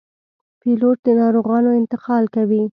پیلوټ د ناروغانو انتقال کوي.